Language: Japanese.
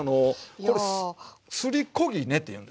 これ「すりこぎね」って言うんですよ。